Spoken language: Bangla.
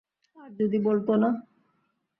আর যদি বলত, না।